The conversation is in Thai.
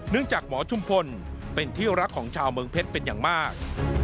จากหมอชุมพลเป็นที่รักของชาวเมืองเพชรเป็นอย่างมาก